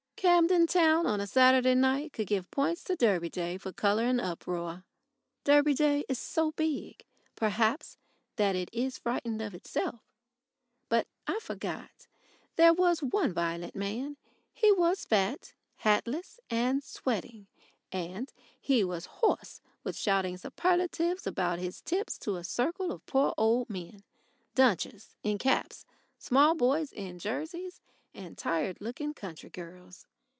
Camden Town on a Saturday night could give points to Derby Day for colour and uproar. Derby Day is so big, perhaps, that it is frightened of itself. But I forgot. There was one violent man. He was fat, hatless, and sweating, and he was hoarse with shouting superlatives about his tips to a circle of poor old men, "dunchers" in caps, small boys in jerseys, and tired looking country girls.